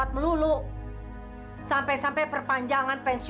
kita sedemikian sama paralyzed orang kasir ini